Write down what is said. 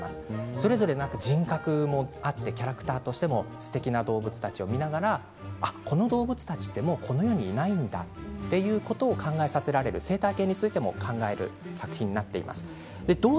それぞれの人格があってキャラクターとしてすてきな動物たちを見ながらこの動物たちはこの世にいないんだということを考えさせられる生態系についても考えさせられる作品です。